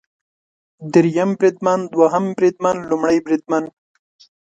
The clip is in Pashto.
دریم بریدمن، دوهم بریدمن ، لومړی بریدمن